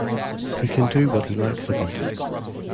He can do what he likes about it.